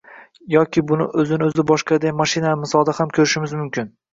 Yoki buni oʻz-oʻzini boshqaradigan mashinalar misolida ham koʻrishimiz mumkin.